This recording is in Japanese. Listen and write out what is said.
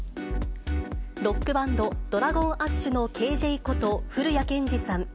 ロックバンド、ＤｒａｇｏｎＡｓｈのＫｊこと降谷建志さん。